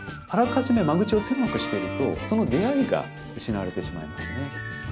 あらかじめ間口を狭くしてるとその出会いが失われてしまいますね。